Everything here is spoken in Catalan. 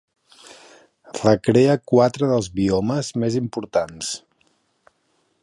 Recrea quatre dels biomes més importants.